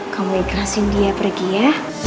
kamu ikhlasin dia pergi ya